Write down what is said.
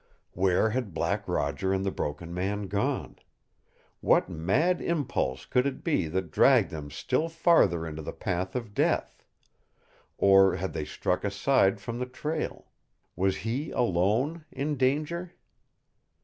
Where had Black Roger and the Broken Man gone? What mad impulse could it be that dragged them still farther into the path of death? Or had they struck aside from the trail? Was he alone in danger?